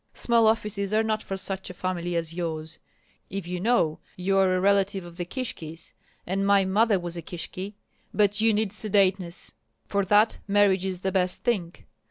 Small offices are not for such a family as yours. If you know, you are a relative of the Kishkis, and my mother was a Kishki. But you need sedateness; for that, marriage is the best thing.